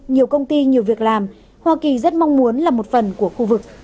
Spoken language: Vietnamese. nhiều công ty nhiều việc làm hoa kỳ rất mong muốn là một phần của khu vực